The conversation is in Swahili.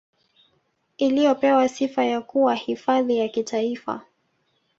Iliyopewa sifa ya kuwa hifadhi ya Kitaifa